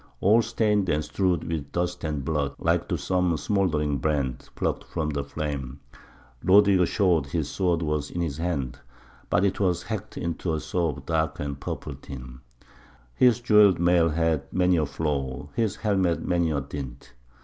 All stained and strewed with dust and blood, like to some smouldering brand Plucked from the flame, Rodrigo showed; his sword was in his hand, But it was hacked into a saw of dark and purple tint: His jewelled mail had many a flaw, his helmet many a dint.